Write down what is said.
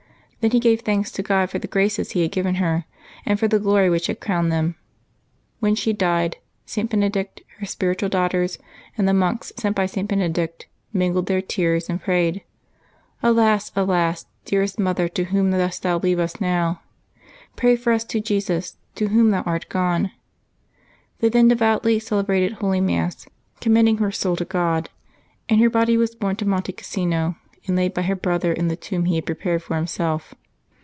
Then he gave thanks to God for the graces He had given her, and for the glory which had crowned them. When she died, St. Benedict, her spiritual daughters, and the monks sent by St. Benedict mingled their tears and prayed, "Alas! alas! dearest mother, to whom dost thou leave us now? Pray for us to Jesus, to Whom thou art gone." They then devoutly celebrated holy Mass, *^ commending her soul to God ;" and her body was borne to Monte Casino, and laid by her brother in the tomb he had prepared for himself.